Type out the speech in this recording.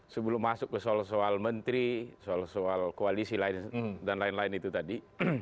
sebelum masuk ke soal soal menteri soal soal koalisi dan lain lain itu tadi